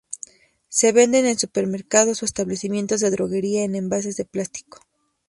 Se venden en supermercados o establecimientos de droguería en envases de plástico.